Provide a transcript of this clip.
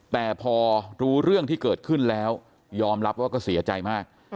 แต่พอรู้เรื่องที่เกิดขึ้นแล้วยอมรับว่าก็เสียใจมาก